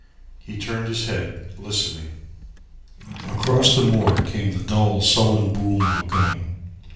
He turned his head, listening. Across the moor came the dull sullen boom of a gun.